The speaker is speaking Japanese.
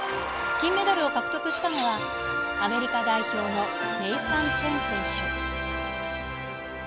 金メダルを獲得したのは、アメリカ代表のネイサン・チェン選手。